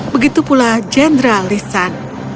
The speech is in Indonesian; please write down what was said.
begitu pula general lisan